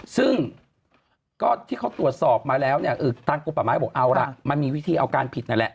ซึ่งก็ที่เขาตรวจสอบมาแล้วเนี่ยทางกรมป่าไม้บอกเอาล่ะมันมีวิธีเอาการผิดนั่นแหละ